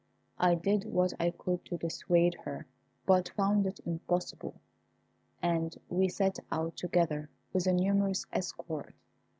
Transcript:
I did what I could to dissuade her, but found it impossible, and we set out together with a numerous escort.